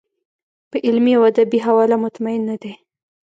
په علمي او ادبي حواله مطمین نه دی.